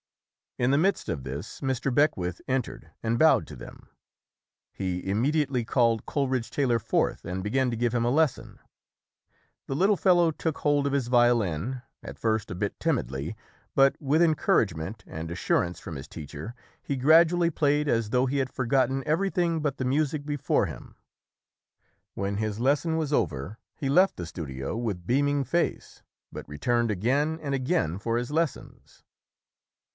In the midst of this, Mr. Beckwith entered and bowed to them. He immediately called Coleridge Taylor forth and began to give him a lesson. The little fellow took hold of his violin, at first a bit timidly, but with encouragement and assurance from his teacher he gradually played as though he had forgotten everything but the music before him. When his lesson was over he left the studio with beaming face but returned again and again for his lessons.